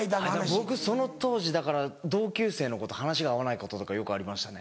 僕その当時だから同級生の子と話が合わないこととかよくありましたね。